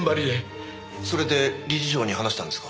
それで理事長に話したんですか？